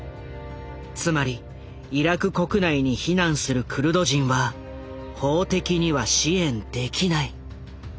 つまりイラク国内に避難するクルド人は法的には支援できない。